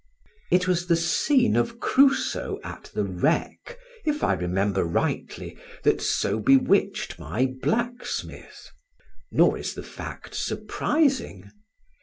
It was the scene of Crusoe at the wreck, if I remember rightly, that so bewitched my blacksmith. Nor is the fact surprising.